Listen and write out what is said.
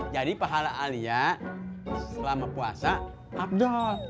jadi pahala alia selama puasa abdul